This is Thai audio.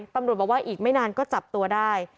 ตำรวจบอกว่าอีกไม่นานก็จับตัวได้